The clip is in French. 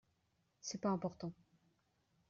C’est pas important.